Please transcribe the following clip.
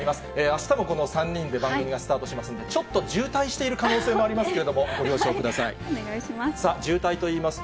あしたもこの３人で番組がスタートしますんで、ちょっと渋滞している可能性もありますけれども、お願いします。